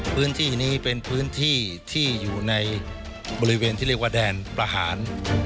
พื้นที่นี้เป็นพื้นที่ที่อยู่ในบริเวณที่เรียกว่าแดนประหาร